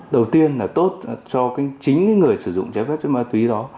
đầu tiên là tốt cho chính người sử dụng trái phép chất ma túy đó